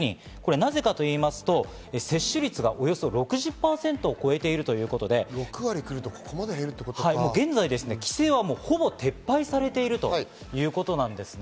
なぜかといいますと、接種率がおよそ６０％を超えているということで、現在、規制はほぼ撤廃されているということなんですね。